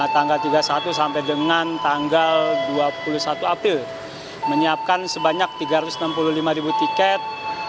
tanggal tiga puluh satu sampai dengan tanggal dua puluh satu april menyiapkan sebanyak tiga ratus enam puluh lima ribu tiket